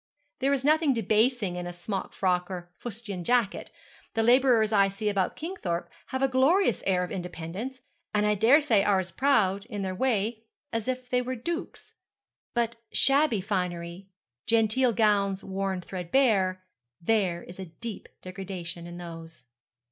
There is nothing debasing in a smock frock or a fustian jacket. The labourers I see about Kingthorpe have a glorious air of independence, and I daresay are as proud, in their way, as if they were dukes. But shabby finery genteel gowns worn threadbare: there is a deep degradation in those.'